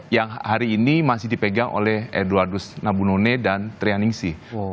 yang hari ini masih dipegang oleh edwardus nabunune dan trianingsi